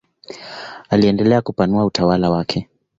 Aliendelea kupanua utawala wake.